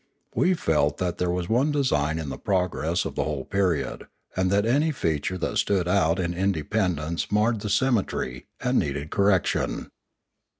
We felt that there was one design in the progress of the whole period, and that any feature that stood out in independence marred the symmetry, and needed correction.